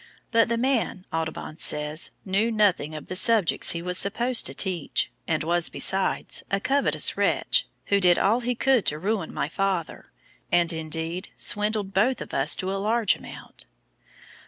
But the man, Audubon says, knew nothing of the subjects he was supposed to teach, and was, besides, "a covetous wretch, who did all he could to ruin my father, and, indeed, swindled both of us to a large amount."